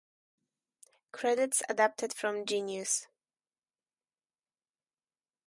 Credits adapted from Genius.